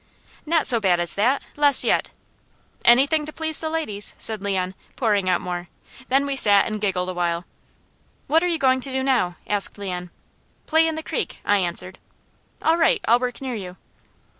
"Not so bad as that. Less yet!" "Anything to please the ladies," said Leon, pouring out more. Then we sat and giggled a while. "What are you going to do now?" asked Leon. "Play in the creek," I answered. "All right! I'll work near you."